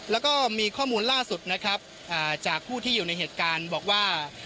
แล้วก็มีข้อมูลล่าสุดนะครับจากผู้ที่อยู่ในเหตุการณ์บอกว่า